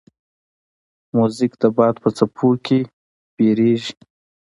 موزیک د باد په څپو کې ویریږي.